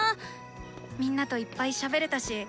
みんなといっぱいしゃべれたし。